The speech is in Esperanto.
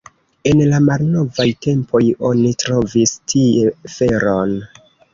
En la malnovaj tempoj oni trovis tie feron.